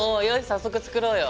早速作ろうよ。